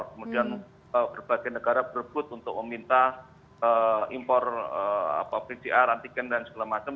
kemudian berbagai negara berebut untuk meminta impor pcr antigen dan segala macam